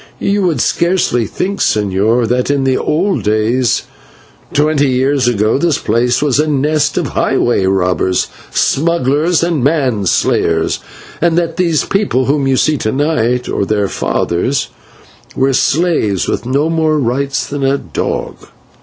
"You would scarcely think, señor, that in the old days, twenty years ago, this place was a nest of highway robbers, smugglers, and man slayers, and that these people whom you see to night, or their fathers, were slaves with no more rights than a dog.